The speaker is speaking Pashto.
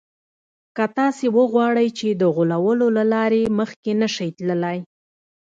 که تاسې وغواړئ هم د غولولو له لارې مخکې نه شئ تللای.